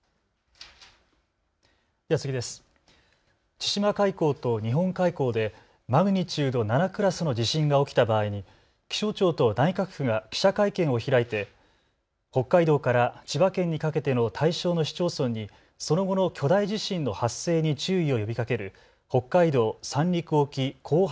千島海溝と日本海溝でマグニチュード７クラスの地震が起きた場合に気象庁と内閣府が記者会見を開いて北海道から千葉県にかけての対象の市町村にその後の巨大地震の発生に注意を呼びかける北海道・三陸沖後発